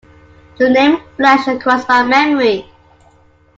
The name flashed across my memory.